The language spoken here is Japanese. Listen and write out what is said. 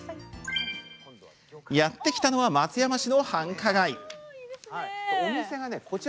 やってきたのは松山市の繁華街。